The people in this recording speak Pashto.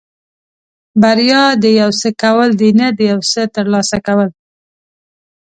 بریا د یو څه کول دي نه د یو څه ترلاسه کول.